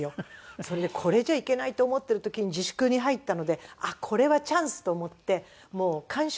それでこれじゃいけないと思ってる時に自粛に入ったのでこれはチャンスと思ってもう間食ゼロにしました。